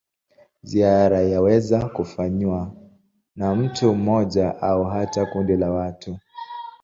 Ziara yaweza kufanywa na mtu mmoja au hata kundi la watu.